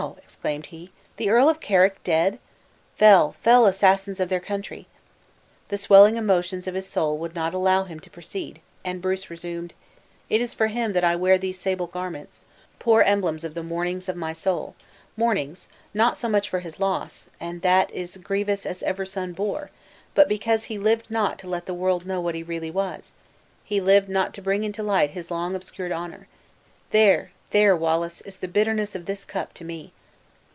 exclaimed he, "The Earl of Carrick dead? Fell, fell assassins of their country!" The swelling emotions of his soul would not allow him to proceed, and Bruce resumed: "It is for him I wear these sable garments poor emblems of the mournings of my soul, mournings, not so much for his loss (and that is grievous as ever son bore), but because he lived not to let the world know what he really was; he lived not to bring into light his long obscured honor! There, there, Wallace, is the bitterness of this cup to me!"